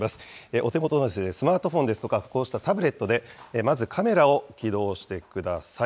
お手元のスマートフォンですとか、こうしたタブレットでまずカメラを起動してください。